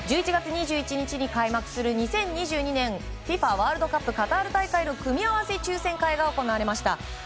１１月２１日に開幕する２０２２年ＦＩＦＡワールドカップカタール大会の組み合わせ抽選会が行われました。